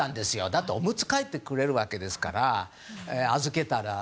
だって、おむつを替えてくれるわけですから預けたら。